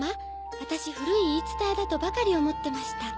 私古い言い伝えだとばかり思ってました。